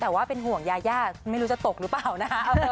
แต่ว่าเป็นห่วงยายาไม่รู้จะตกหรือเปล่านะคะ